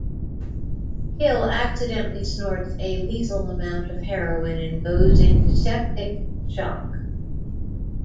Hill accidentally snorts a lethal amount of heroin and goes into septic shock.